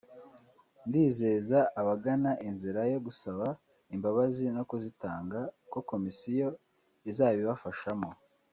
ndizeza abagana inzira yo gusaba imbabazi no kuzitanga ko komisiyo izabibafashamo